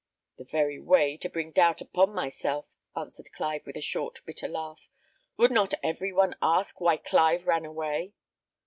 "The very way to bring doubt upon myself," answered Clive, with a short, bitter laugh. "Would not every one ask why Clive ran away?"